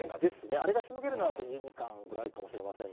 あれがしのげるのは藤井二冠ぐらいかもしれませんね。